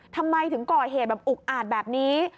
ทำไมถึงก่อเหตุแบบอุกอาจแบบนี้